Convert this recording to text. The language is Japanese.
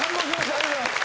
ありがとうございます。